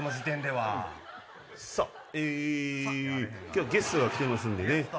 今日ゲストが来てますんでね。